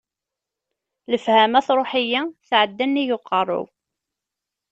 Lefhama truḥ-iyi, tɛedda nnig uqerru-w.